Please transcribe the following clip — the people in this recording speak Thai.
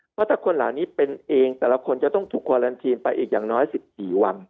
เพราะถ้าคนเหล่านี้เป็นเองแต่ละคนจะต้องถูกควาแลนทีนไปอีกอย่างน้อย๑๔วัน